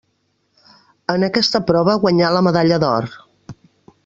En aquesta prova guanyà la medalla d'or.